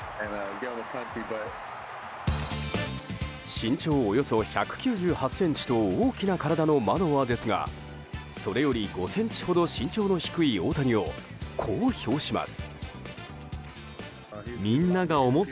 身長およそ１９８ｃｍと大きな体のマノアですがそれより５ｃｍほど身長の低い大谷をこう評します。